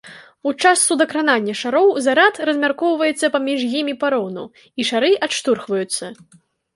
У час судакранання шароў зарад размяркоўваецца паміж імі пароўну, і шары адштурхваюцца.